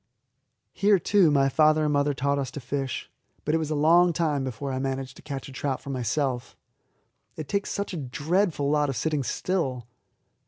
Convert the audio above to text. Here, too, my father and mother taught us to fish; but it was a long time before I managed to catch a trout for myself. It takes such a dreadful lot of sitting still.